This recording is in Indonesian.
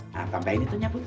nah tambahin itu nya bu